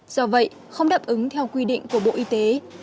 do vậy không đáp ứng theo quy định của bộ y tế